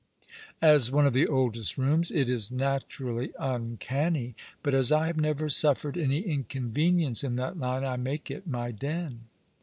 As one of the oldest rooms it is naturally Tincanny; but as I have never suffered any inconvenience in that line, I make it my den."